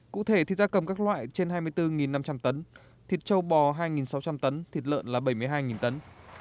cụ thể thịt da cầm các loại trên hai mươi bốn năm trăm linh tấn thịt châu bò hai sáu trăm linh tấn thịt lợn là bảy mươi hai tấn